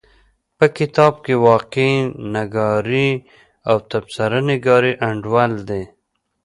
په کتاب کې واقعه نګاري او تبصره نګاري انډول دي.